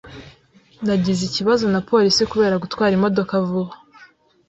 Nagize ikibazo na polisi kubera gutwara imodoka vuba.